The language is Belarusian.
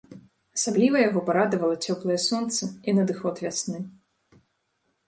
Асабліва яго парадавала цёплае сонца і надыход вясны.